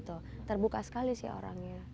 terbuka sekali sih orangnya